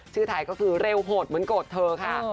ไทยก็คือเร็วโหดเหมือนโกรธเธอค่ะ